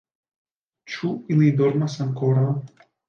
Ĉu ili dormas ankoraŭ?